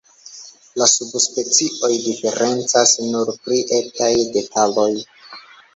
La subspecioj diferencas nur pri etaj detaloj.